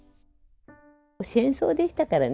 戦争でしたからね。